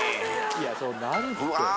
いやそうなるって。